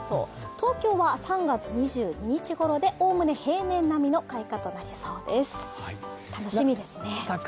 東京は３月２２日ごろでおおむね平年並みの開花となりそうですね、楽しみですね。